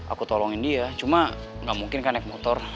aku tolongin dia cuma nggak mungkin kan naik motor